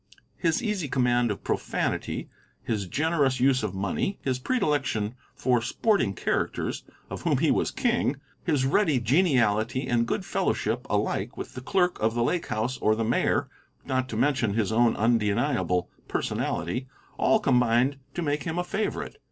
His easy command of profanity, his generous use of money, his predilection for sporting characters, of whom he was king; his ready geniality and good fellowship alike with the clerk of the Lake House or the Mayor, not to mention his own undeniable personality, all combined to make him a favorite.